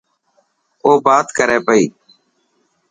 او بات ڪري پئي.